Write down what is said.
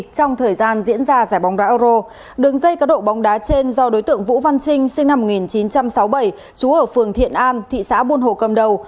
chú ở phường thiện an thị xã buôn hồ cầm đầu